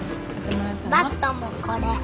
バットこれ。